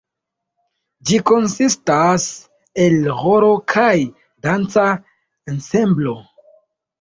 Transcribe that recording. Ĝi konsistas el ĥoro kaj danca ensemblo.